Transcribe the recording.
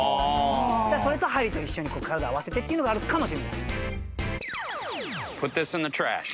それと針と一緒に体合わせてっていうのがあるかも。